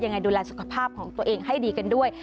ยังไงดูแลสุขภาพของตัวเองให้ดีกันด้วย